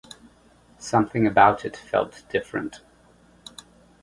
Something about it felt different.